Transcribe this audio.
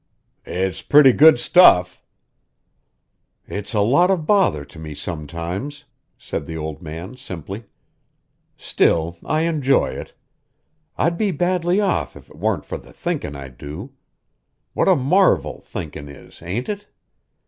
"It's pretty good stuff." "It's a lot of bother to me sometimes," said the old man simply. "Still, I enjoy it. I'd be badly off if it warn't for the thinkin' I do. What a marvel thinkin' is, ain't it?